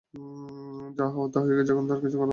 যা হওয়ার তা হয়ে গেছে, এখন কোনকিছুই আর বদলাতে পারবেন না।